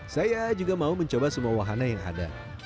saya juga mau mencoba semua wahana yang ada